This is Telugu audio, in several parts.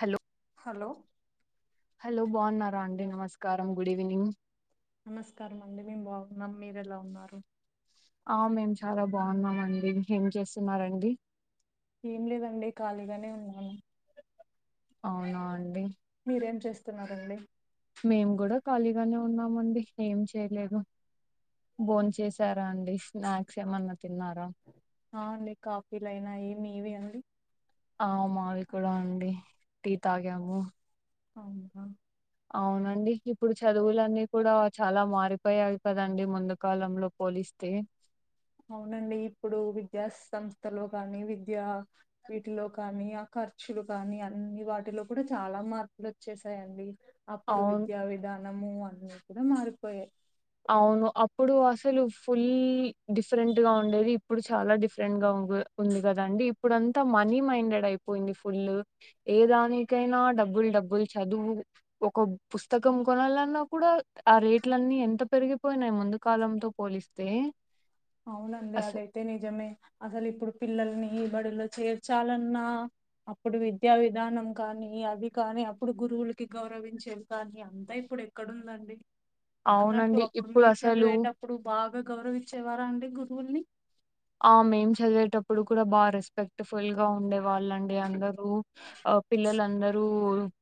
హలో హలో హలో బాన్నారా అండి నమస్కారం గుడ్ ఈవెనింగ్ నమస్కారం అండి మేము బాగున్నాం. మీరేలా ఉన్నారు. ఆ మేమ్ చాలా బాన్నామ అండి ఏ ఏం చేస్తున్నారండి. ఏంలేదండీ కాలిగనే ఉన్నాను అవున అండి ఏం చేస్తున్నారండి మేము గుడా ఖాళీగానే ఉన్నామండి ఏం చెట్లేదు బోన్ చేసారా అండి స్నాక్స్ ఏమన్నా తిన్నార ఆ అండి కాఫీలైైనయి మీవే అండి ఆ మావి కూడా అండి టీ తాగాము అవునా అవునండి ఇప్పుడు చదువులన్నీ కూడా చాలా మారిపోయాయి కదండి. ముందు కాలంలో పోలీస్ స్తే అవునండి ఇప్పుడు విద్యా సంస్థలో కానీ విద్యా వీట్లో కానీ అక్క ఖర్చులు కానీ అన్ని వాటిలో కూడ చాలా మార్పులు ఓచ్చేసాయండి. అప్పుడు అవును విద్యా విధానము అన్నీ కూడ మారిపోయాయి. అవును అప్పుడు అసలు ఫుల్ డిఫరెంట్ గా ఉండేది. ఇప్పుడు చ చాలా డిఫరెంట్గా వు ఉంది కదండి ఇప్పుడంతా మనీ మైండెడ్ అయిపోయింది ఫుల్ ఏ దానికైనా డబ్బుల్ డబ్బుల్ చదువు ఒక్కో పుస్తకం కొనాలన్న కూడా ఆ రేట్లన్నీ ఎంత పెరిగిపోయినై ముందు కాలంతో పోలిస్తే అవునండి అసలు అదైతే నిజమే అసలు ఇప్పుడు పిల్లల్ని ఈ బడిలో చేర్చాలన్నా అప్పుడు విద్యా విధానం కానీ, అది కానీ అప్పుడు గురువులకి గౌరవించేది కానీ అంతయి ఇప్పుడు ఎక్కడుందండి అన్నట్టు అవునండి అప్పుడు ఇప్పుడు మీరు అసలు చదివేటప్పుడు బాగా గౌరవిచ్చేవారా అండి గురువుల్ని. ఆ మేం చదివేటప్పుడు కూడా బా రెస్పెక్ట్ఫుల్గా ఉండే వాళ్ళండి అందరూ అ అ పిల్లలందరూ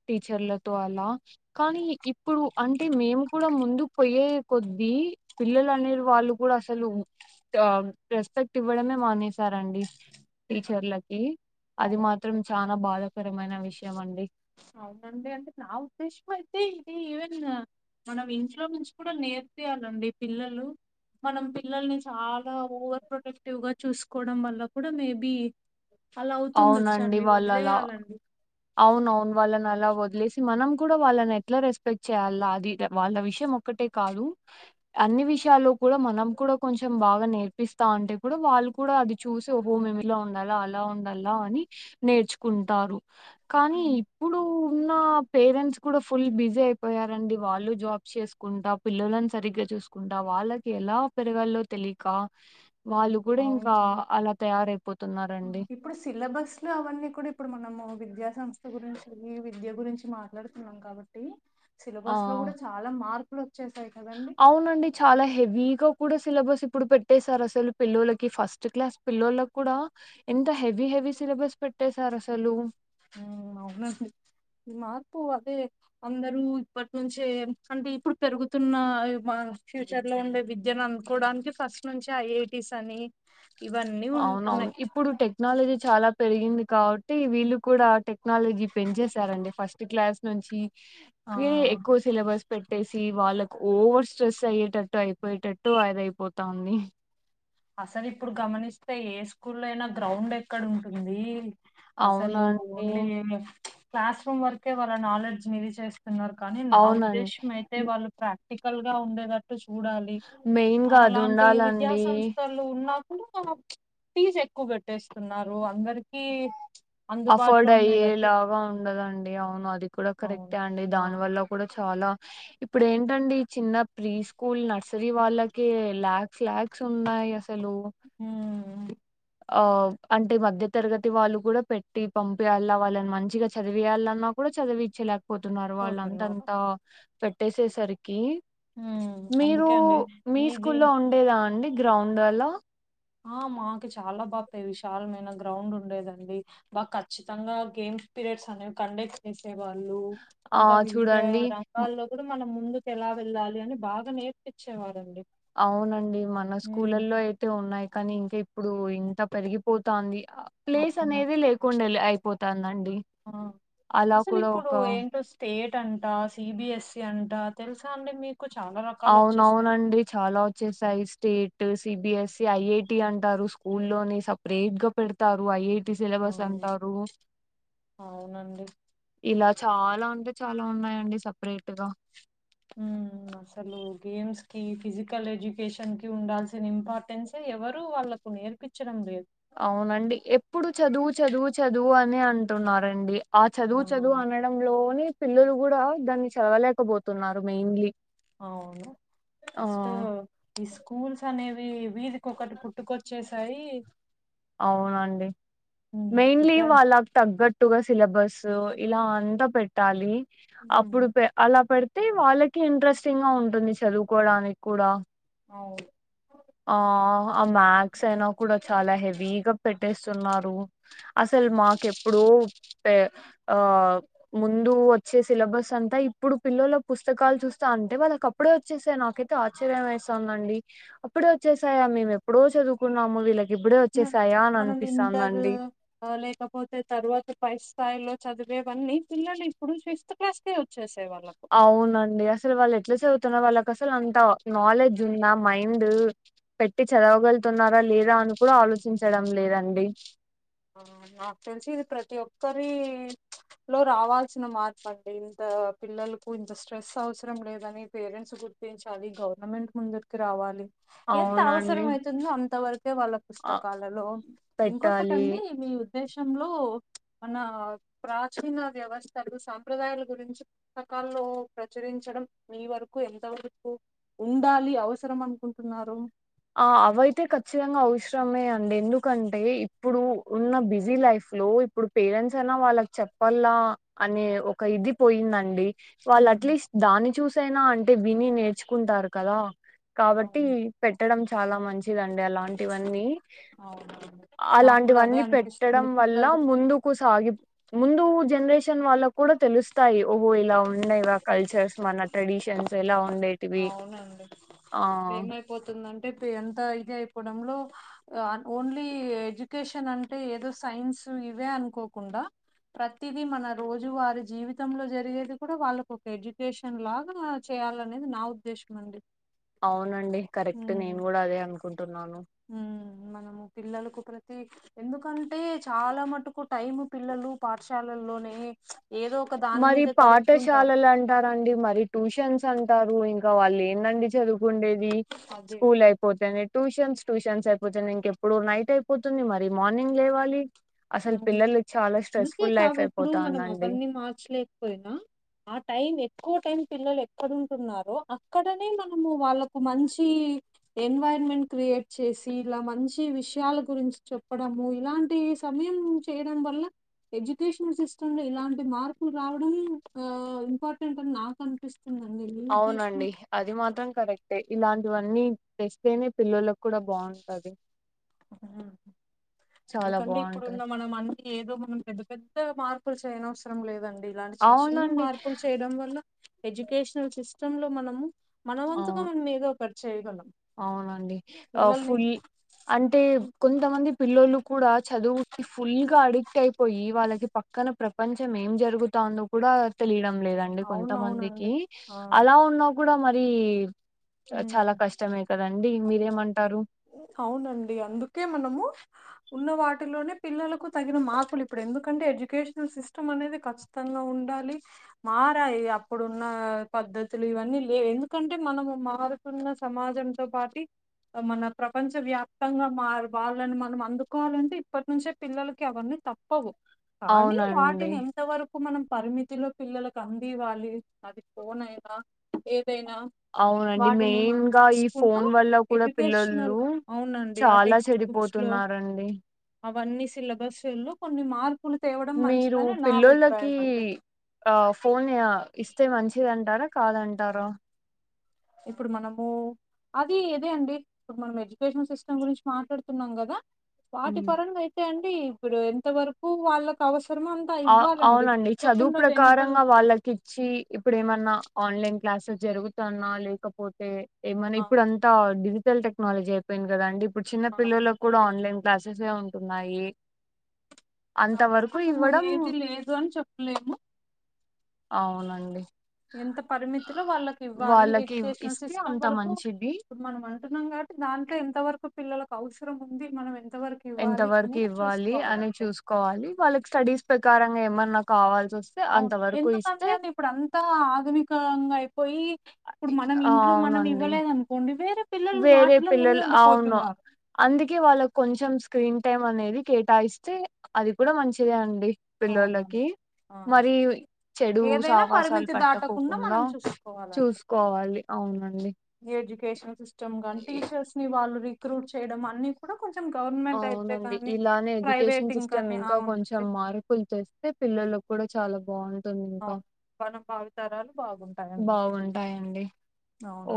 టీచర్లతో అలా కానీ ఇప్పుడు అంటే మేం కూడా ముందుక్ పోయే కొద్దీ పిల్లలనే వాళ్ళు కూడా అసలు గా రెస్పెక్ట్ ఇవ్వడమే మానేసారండి హ్మ్. టీచర్లకి. అది మాత్రం అవునండి. చానా బాధాకరమైన విషయం అండి. అవునండి అంటే నా ఉద్దేశం అయితే ఇది ఈవెన్ మనం ఇంట్లో నుంచి కూడా నేర్ పియాలండి పిల్లలు మనం పిల్లల్ని చాలా ఓవర్ ప్రొటెక్టివ్గ చూస్కోడం వల్ల కూడా మేబి అలా అవుతుండొచ్చండి వదిలేయాలండి. అవునవున్ వాళ్ళన్ అలా వదిలేసి మనం కూడా వాళ్ళనెట్ల రెస్పెక్ట్ చేయాలా అది వాళ్ళ విషం ఒకటే కాదు. అన్ని విషయాల్లో కూడా మనం కూడా కొంచం బాగా నేర్పిస్తా ఉంటే కూడా వాళ్ళు కూడా అది చూసి హోహో మేమిలా ఉండాలా అలా ఉండాలా అని నేర్చుకుంటారు. కానీ ఉమ్, ఇప్పుడు ఉన్నా పేరెంట్స్ కూడా ఫుల్ బిజీ అయిపోయారండి. వాళ్ళు జాబ్ చేస్కుంటా పిల్లలన్ సరిగ్గా చూస్కుంటా వాళ్ళకెలా పెరగాలో తెలీక వాళ్ళు కూడా ఇంకా అవునండి అలా తయారైపోతున్నారండి. ఓ విద్యా సంస్థ గురించి ఈ విద్య గురించి మాట్లాడుతున్నాం కాబట్టి సిలబస్లో ఆ! కూడా చాలా మార్ అవునండి చాలా హెవీగా కూడా సిలబస్ ఇప్పుడు పెట్టేసార్ అసల్ పిల్లలకి ఫస్ట్ క్లాస్ పిల్లోలక్ కూడా ఎంత హెవీ హెవీ సిలబస్ పెట్టేసార్ అసలు మ్ అవునసల్ మార్పు అదే అందరూ ఇప్పట్నుంచే అంటే ఇప్పుడు పెరుగుతున్నా ఫ్యూచర్లో ఉండే విద్యన్ అన్కోడానికి ఫస్ట్ నుంచే ఐఐటీస్ అని ఇవన్నీ అవునవును ఉంటున్నాయి ఇప్పుడు టెక్నాలజీ చాలా పెరిగింది కాబట్టి వీళ్ళు కూడా టెక్ క్నాలజీ పెంచేసారండి ఫస్ట్ క్లాస్ నుంచి కే ఆ ఎక్కువ సిలబస్ పెట్టేసి వాళ్ళ ఓవర్ స్ట్రెస్ అయ్యేటట్టు అయిపోయేటట్టు అదయిపోతా ఉంది. అసల్ ఇప్పుడ్ గమనిస్తే ఏ స్కూల్లో అయినా గ్రౌండ్ ఎక్కడుంటుంది. అసలు అవునండి. ఓన్లీ ఏమే క్లాస్ రూమ్ వరకే వాళ్ళ నాలెడ్జ్ని ఇది చేస్తున్నారు కానీ నా అవునండి. ఉద్దేశ్యం అయితే హ్మ్. వాళ్ళు ప్రా క్టీకల్గా ఉండేటట్టు చూడాలి అ మెయిన్‌గా అలాంటి విద్యా అదుండాలండి. సంస్ ఉన్నా కూడా ఫీజ్ ఎక్కు కట్టేస్తున్నారు అందర్కీ అఫోర్డ్ అయ్యేలాగా ఉండదం డి అవును అది కూడా అవును. కరెక్టే అండి ఆ, దాని వల్ల కూడా చాలా ఇప్పుడేంటండి చిన్న ప్రీ స్కూల్ నర్సరీ వాళ్ళకి లాక్స్ లాక్స్ ఉన్నాయి అస లు ఉమ్, ఆ అంటే మధ్య తరగతి వాళ్ళు కూడా పెట్టి పంపియాల వాళ్ళన్ మంచిగ చదివియ్యాలన్న కు కూడా చదివిచ్చలేకపోతున్నారు. పోతున్నారు వాళ్ళంతాంతా పెట్టేసేసరికి ఉమ్, మీరు అందుకే అండి మీ ఈ దీని స్కూల్లో ఉండేదా అండి గ్రౌండ్ అలా ఆ మాకు చాలా బాపే విశాలమైన గ్రౌండ్ ఉండేదండి బా ఖచ్చితంగా గేమ్ పీరియడ్స్ అనేవి కండక్ట్ చేసే వాళ్ళు ఆ! ఇంకా వివిధ చూడండి రంగాల్లో కూడా మనం. ముందుకు ఎలా వెళ్ళాలి అని బాగా నేర్పిచ్చేవారండి. అవునండి మన స్కూలల్లో అయితే ఉన్నాయి కానీ ఇంకా ఎక్. ఇప్పుడు ఇంత పెరిగిపోతంది ప్లేస్ అవునా అనేది లేకుండా లె అయిపోతందండి. ఆ అసలిప్పుడు ఏంటో స్టే టంటా సిబిఎస్సి అంటా తెల్సా అండి మీ అవునవునండి చాలా ఒచ్చేసాయి స్టే సిబిఎసీ, ఐఐటి అంటారు. స్కూల్లోని సపరేట్గా పెడ్తారు ఐఐ అవును అవునండి. ఇలా చాలా అంటే చాలా ఉన్నాయండి సపరేట్గా. ఉమ్. అసలు గేమ్స్ కి ఫిజికల్ ఎడ్యుకేషన్ కి ఉండాల్సిన ఇంపార్టెన్స్ ఎవరు వాళ్ళా. నేర్పించడంలేదు. అవునండి ఎప్పుడు చదువు చదువు చదువు అనే అంటున్నారండి. ఆ చదువు చదువు అనడంలోనే పిల్లలు గూడా దాన్ని చదవలేకపోతున్నారు మెయిన్లీ. అవును ఫస్ట్ ఈ స్కూల్స్ అనేవి. వీధికొక్కటి పుట్టుకొచ్చేసాయి. అవునండి ఉమ్, మెయిన్లీ విద్యా వాళ్ళక్ తగ్గట్టుగా సిలబస్. ఆహ్ ఇలా అంతా పెట్టాలి ఉమ్, అప్పుడు పే అలా పెడ్. అయితే వాళ్ళకి ఇంట్రెస్టింగ్ గా ఉంటుంది చదుకోవడానికి కూడా. అవును. ఆహ్ ఆ మ్యాక్స్ అయినా కూడా చాలా హెవీగా పెట్. పెట్టేస్తున్నారు అసల్ మాకేప్పుడో పే ఆహ్ ముందు. వచ్చే సిలబస్ అంతా ఇప్పుడు పిల్లోల పుస్తకాలు చూస్తే అంటే వాళ్ళక్ అప్పుడే వచ్చేసేయ్ నాకైతే ఆశ్చర్యం. వేస్తోందండి అప్పుడే వచ్చేసాయా మేము ఎప్పుడో చదువుకున్నాము వీళ్ళక్. ఆహ్ మనం ఇంటర్ లేకపోతే తరువాత ఫస్ట్. స్థాయిలో చదివేవన్నీ పిల్లలు ఇప్పుడు ఫిఫ్త్ క్లాస్ కే. అవునండి అసల్ వాళ్ళు. ఎట్లా చదువుతున్నరు వాళ్ళకి అసలు అంత నాలెడ్జ్ ఉందా మైండ్. పెట్టి చదవగలుతున్నారా లేదా అని కూడా ఆలోచించడం లేదండి. ఆహ్ నాక్ తెలిసి ఇది ప్రతి ఒక్కరి. లో రావాల్సిన మార్పండి ఇంత పిల్లలకు ఇంత స్ట్రెస్ అవసరం లేదని పేరెంట్స్ కూడా. గుర్తించాలి గవర్నమెంట్ ముందుట్కీ రావాలి. అవునండి. ఎంతవసరం అయితుందో అంతవరకే వాళ్ళ ఆ! పుస్తకాలలో ఇంకొకట్. పెట్టాలి. ఆండీ మీ ఉద్దేశంలో. మన ప్రాచీన వ్యవస్థలు సాంప్రదాయాల గురించి పుస్తకాల్లో ప్రచురించి. చడం మీ వరకు ఎంత వరకు ఉండాలి అవసరం అనుకుంటున్నారు. ఆహ్ అవైతే ఖచ్చితంగా అవసరమే అండి ఎందుకంటే ఇప్పుడు ఉన్న బిజీ లైఫ్. లో ఇప్పుడు పేరెంట్స్ అయినా వాళ్ళకి చెప్పల్లా అనే ఒక ఇది పోయిందండి. ఉ వాళ్ళు అట్లీస్ట్ దాన్ని చూసైనా అంటే వీని నేర్చుకుంటారు కదా. కాబట్టి అవును పెట్టడం చాలా మంచిదండి అలాంటివన్నీ. అవునవును నాకు కూడా అదే అలాంటివన్నీ పెట్టడం అనిపిస్తుంది వల్ల పిల్లలు ముందుకు సాగి ముందు. జేనరేషన్ వాళ్ళకు కూడా తెలుస్తాయి ఓహో ఇలా ఉండేవా మన కల్చర్స్ మన ట్రెడిషన్స్ ఎలా. ఉండేటివి అవునండి ఆ ఇప్పుడ్ ఏమైపోతుందం. ఇపుడ్ ఎంత ఇది అయిపోవడంలో ఆహ్ ఓన్లీ ఎడ్యుకేషన్ అంటే ఏదో సైన్స్. ఇవే అనుకోకుండా. ప్రతిది మన రోజు వారి జీవితంలో జరిగేది కూడా వాలకొక్క ఎడ్యుకేషన్ లాగా చేయాలనే. నా ఉద్దేశం అండి. అవునండి కరెక్ట్ ఉమ్, నేను గూడా అదే అనుకుంటున్నాను. ఉమ్, మనము పిల్లలకు ప్రతి ఎందుకంటే చాలా మట్టుకు టైమ్ పిల్లలు పాఠశాలలో. లోనేయ్. మరి పాఠశాలంటారండి మరి ట్యూషన్స్ అంటారు ఇన్ వాలెందండి చదువుకుండేది అదే స్కూల్ అయిపోతేనే ట్యూషన్స్ ట్యూషన్స్ అయిపోతేనె ఇంకెప్పుడు నైట్ అయిపోతుంది. మరి మార్నింగ్ లేవాలి. అసలు అవును పిల్లలు చాలా అందుకే స్ట్రెస్ఫుల్ లైఫ్ కాదు ఇప్పుడు అయిపోతా మనం ఉందండి. అవన్నీ మార్చలేకపోయినా ఆ టైం. ఎక్కువ టైం పిల్లలు ఎక్కడ ఉంటున్నారో అక్కడనే మనము వాళ్ళకు మంచి ఎడ్. ఎన్వైరన్మెంట్ క్రియేట్ చేసి ఇలా మంచి విషయాల గురించి చెప్పడము ఇలాంటి సమయం చేయడం వల్ల ఎడ్యుకేషన్ సిస్టమ్ లో ఇలాంటి మార్పులు రావడం ఆ ఇంపార్టెంట్ అని నాకు అనిపిస్తుంది. అవునండి అది మాత్రం కరెక్ట్ టె ఇలాంటివన్నీ తెస్తేనే పిల్లక్ కూడా బావుంటది. అ చాలా ఎందుకంటే బాగుంటది ఇప్పుడున్న మనం అన్ని ఏదో మనం పెద్ద పెద్ద మార్పులు చేయన అవసరం లేదండి. ఇలాంటి చిన్న చిన్న అవునండి మార్పులు చేయడం వల్ల ఎడ్యుకేషనల్ సిస్టమ్ లో మనము మనవంతుగా అవును మనం ఏదో ఒకటి చేయగలం. అవునండి ఆ పిల్లల్ని ఫుల్ అంటే కొంతమంది పిల్లోలు కూడా చదువు ఫుల్ గా అడిక్ట్ అయిపోయి వాళ్ళక్ ఇది పక్కన ప్రపంచం ఏం జరుగుతుందో కూడా తెలియడం లేదండి కొంతమందికి అవునవునండి ఆ అలా ఉన్నా కూడా మరి ఉమ్ చాలా కష్ట అవునండి అందుకే మనము ఉన్న వాటిలోనే పిల్లలకు తగిన మార్పులు ఇప్పుడు ఎందుకంటే ఎడ్యుకేషన్ సిస్టమ్ అనేది కచ్చితంగా ఉ ఉండాలి మారాయి. అప్పుడున్న పద్ధతులు ఇవన్నీ లేవు ఎందుకంటే మనము మ మారుతున్న సమాజంతో పాటి మన ప్రపంచ వ్యాప్తంగా మర్ వాళ్ళని మనం అందుకోవాలంటే ఇప్పటి నుంచే పిల్లలకి అవన్నీ తప్పవు. కానీ అవునండి వాటిని ఎంతవరకు కు మనం పరిమితిలో పిల్లలకు అందివ్వాలి. అది ఫోన్ అయినా, ఏదైనా అవునండి వాటిని మెయిన్ మనం గా ఈ చూసుకుంటూ ఫోన్ వల్ల కూడా ఎడ్యుకేషనల్ పిల్లలు అవునండి ఆ చాలా టెక్స్ట్ చెడి బుక్స్ లో పోతున్నారండి. అవన్నీ సిలబస్స్ లో కొన్ని మార్ మీరు పిల్లోళ్ళకి అండి ఆ ఫోన్ య ఇస్తే మంచిది అంటారా? కాదంటార ఇప్పుడు మనము అది ఇదే అండి ఇప్పుడు మనం ఎడ్యుకేషన్ సిస్టమ్ గురించి మాట్లాడుతున్నాం కదా. వాటి పరంగా అయితే అండి ఇప్పుడు ఎంత వరకు వాళ్ళకు అవస్ ఆ అవునండి చదువు వెనకల ప్రకారంగా వాళ్ళకి ఇచ్చి ఇప్పుడ ఏమన్నా ఆన్లైన్ క్లాసెస్ జరుగుతున్నా లేకపోతే ఏమన్నా ఆ ఇప్పుడు అంతా డిజిటల్ టెక్నాలజీ అయిపోయింది కదా అండి. ఇప్పుడు చిన్న ఆ పిల్లలకు కూడా అదే. ఆన్లైన్ క్లాసెస్ ఎ ఉంటున్నాయి అంత వరకు ఇన్ నువ్వు ఏది లేదు అని చెప్పలేము. అవునండి ఎంత పరిమితిలో వాళ్ళకి ఇవ్వాలి. వాళ్ళకి ఎడ్యుకేషనల్ ఇస్తే సిస్టమ్ అంత వరకు మంచిది ఇప్పుడు మనం అంటున్నాం కాట్టి దాంట్లో ఎంతవరకు పిల్లలకు అవసరం ఉంది. మనం ఎ ఎంత వరకు ఇవ్వాలి అని చూసుకోవాలి. వాళ్ళకి స్టడీస్ ప్రకారంగా ఏమన్నా కావాల్ అవును ఎందుకంటే అని ఇప్పుడు అంతా ఆధునికంగా పోయి ఇప్పుడు మనం ఇంట్లో మనం అవునండి ఇవ్వలేద అనుకోండి వేరే పిల్లలు వేరే వాటిలో పిల్లలు అవును ముందుండిపోతున్నారు. అందుకే వాళ్ళ కొంచెం స్క్రీన్ ఇన్ టైమ్ అనేది కేటాయిస్తే అది కూడా మంచిదే అండి అవునవును. పిల్లోలకి. ఆ! మరి చెడు ఏదైనా సావాసాలు పరిమితి దాటకుండా పట్టకోకుండా మనం చూసుకోవాలండి. చూసుకోవాలి. అ అవునండి ఎడ్యుకేషన్ సిస్టమ్ గాని ఈ- టీచర్స్ ని వాళ్ళు రిక్రూట్ చేయడం అన్ని కూడా కొంచెం గవర్నమెంట్ అయితే అవునండి కానీ, ఇలానే ప్రైవేట్ ఎడ్యుకేషన్ సిస్టమ్ ఇంకాని ఇంకా కొంచెం అవునండి. మార్పులు తెస్తే పి లాల్ కూడా చాలా బాగుం అవు మనం బావితరాలు బాగుం బాగుంటాయండి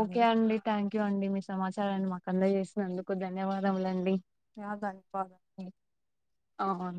ఓకే అండి థ్యాంక్ యూ అండి మీ సమాచారాన్ని మాకు అందజేసినందుకు ధన్యవాదములండి. యాదా ఇప్పదా ది ఆహ